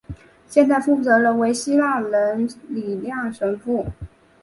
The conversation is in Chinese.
现任负责人为希腊人李亮神父。